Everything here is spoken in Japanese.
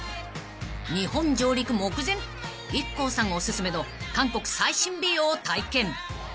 ［日本上陸目前ＩＫＫＯさんおすすめの韓国最新美容を体験］